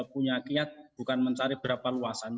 punya kiat bukan mencari berapa luasan